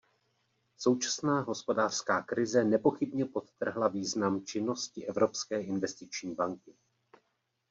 Současná hospodářská krize nepochybně podtrhla význam činnosti Evropské investiční banky.